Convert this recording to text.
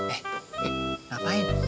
eh eh ngapain